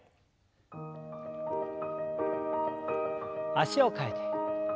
脚を替えて。